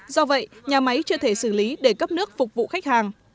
do vậy nhà máy chưa thể xử lý để cấp nước phục vụ khách hàng